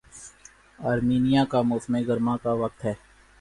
Armenia کا موسم گرما کا وقت